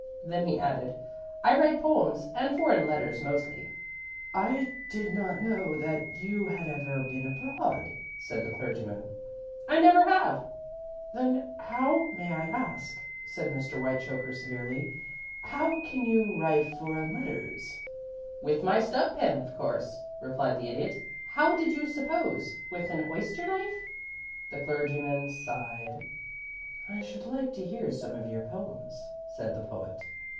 Then he added, "I write poems and foreign letters mostly." "I did not know that you had ever been abroad," said the clergyman. [Illustration: "'YOU DON'T MEAN TO SAY THAT YOU WRITE FOR THE PAPERS?'"] "I never have," returned the Idiot. "Then how, may I ask," said Mr. Whitechoker, severely, "how can you write foreign letters?" "With my stub pen, of course," replied the Idiot. "How did you suppose with an oyster knife?" The clergyman sighed. "I should like to hear some of your poems," said the Poet.